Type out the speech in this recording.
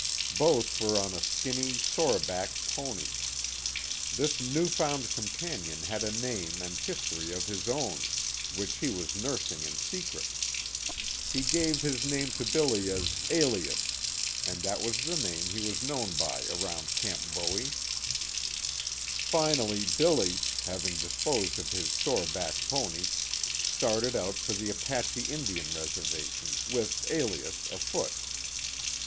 Both were on a skinny, sore back pony. This new found companion had a name and history of his own, which he was nursing in secret. He gave his name to Billy as "Alias," and that was the name he was known by around Camp Bowie. Finally Billy, having disposed of his sore back pony, started out for the Apache Indian Reservation, with "Alias," afoot.